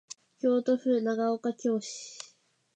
京都府長岡京市